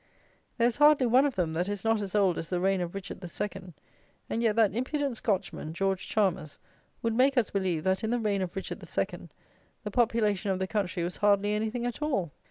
There is hardly one of them that is not as old as the reign of Richard the Second; and yet that impudent Scotchman, George Chalmers, would make us believe that, in the reign of Richard the Second, the population of the country was hardly anything at all!